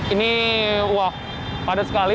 ini wah padat sekali